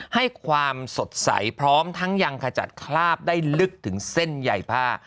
ให้ความสดใสพร้อมทั้งยังขจัดคราบได้ลึกถึงเส้นใหญ่ผ้า